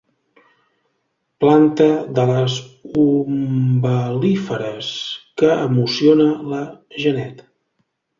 Planta de les umbel·líferes que emociona la Janet.